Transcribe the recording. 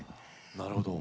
なるほど。